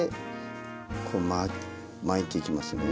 こう巻いていきますね。